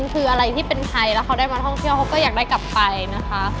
คืออะไรที่เป็นไทยแล้วเขาได้มาท่องเที่ยวเขาก็อยากได้กลับไปนะคะ